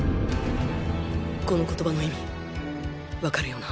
この言葉の意味わかるよな？